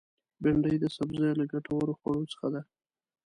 بېنډۍ د سبزیو له ګټورو خوړو څخه ده